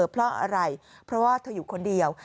เพราะอะไรเพราะว่าเธออยู่คนเดียว